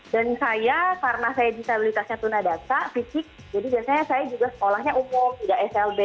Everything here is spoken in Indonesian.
dan saya karena saya disabilitasnya tunadaksa fisik jadi biasanya saya juga sekolahnya umum tidak slb